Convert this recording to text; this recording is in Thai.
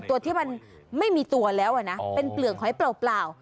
ตัวที่มันไม่มีตัวแล้วนะเป็นเปลือกหอยเปล่า